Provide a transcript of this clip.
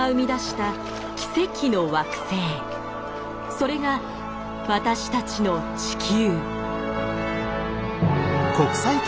それが私たちの地球。